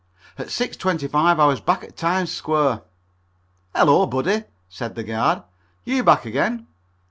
At 6.25 I was back at Times Square. "Hello, buddy," said the guard, "you back again?